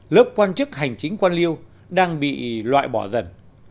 lớp quan chức hành chính quan liêu đang bị loại bỏ dần